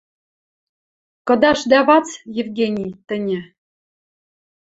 Кыдаш дӓ вац, Евгений, тӹньӹ...»